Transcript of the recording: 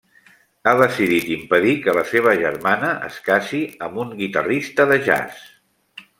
Ha decidit impedir que la seva germana es casi amb un guitarrista de jazz.